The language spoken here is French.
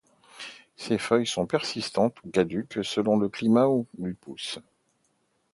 Ces feuilles sont persistantes ou caduques, selon le climat où il pousse.